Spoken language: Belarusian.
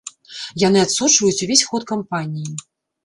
Яны адсочваюць увесь ход кампаніі.